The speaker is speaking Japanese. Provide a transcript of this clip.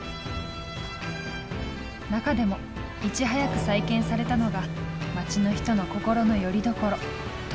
中でもいち早く再建されたのが町の人の心のよりどころ時の鐘。